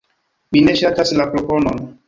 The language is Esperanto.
Mi ne ŝatas la proponon.